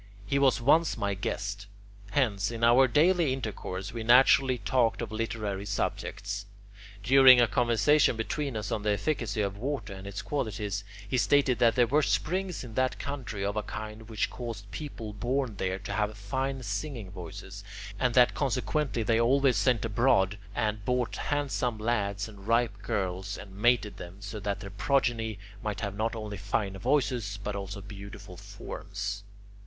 He was once my guest. Hence, in our daily intercourse, we naturally talked of literary subjects. During a conversation between us on the efficacy of water and its qualities, he stated that there were springs in that country of a kind which caused people born there to have fine singing voices, and that consequently they always sent abroad and bought handsome lads and ripe girls, and mated them, so that their progeny might have not only fine voices but also beautiful forms.